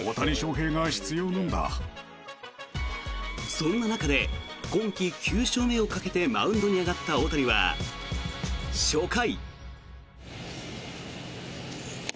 そんな中で今季９勝目をかけてマウンドに上がった大谷は初回。